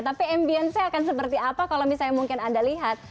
tapi ambience nya akan seperti apa kalau misalnya mungkin anda lihat